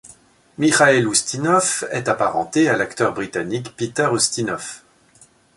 Mikhail Ustinoff est apparenté à l'acteur britannique Peter Ustinov.